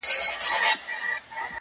د هيندارو يوه لاره کي يې پرېښوم,